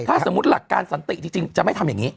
ถ้าสมมุติหลักการสันติจริงจะไม่ทำอย่างนี้